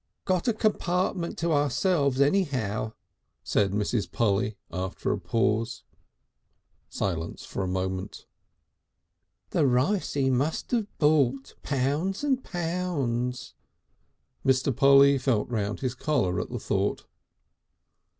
"Got a compartment to ourselves anyhow," said Mrs. Polly after a pause. Silence for a moment. "The rice 'e must 'ave bought. Pounds and pounds!" Mr. Polly felt round his collar at the thought.